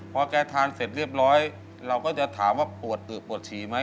พอแกทานเสร็จเรียบร้อยเราก็จะถามว่าปวดตึกปวดฉี่ไหม